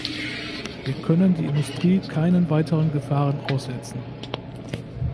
Wir können die Industrie keinen weiteren Gefahren aussetzen.